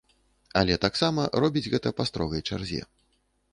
Але таксама робіць гэта па строгай чарзе.